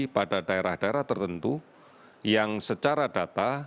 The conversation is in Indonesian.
pada daerah daerah tertentu yang secara data